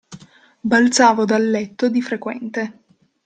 Balzavo dal letto di frequente.